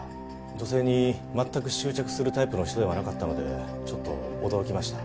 女性に全く執着するタイプの人ではなかったのでちょっと驚きました。